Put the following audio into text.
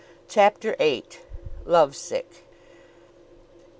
CHAPTER VIII. LOVE SICK.